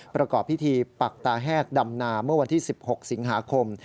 ประกอบพิธีปักตาแหกดำนาเมื่อวันที่๑๖สิงหาคม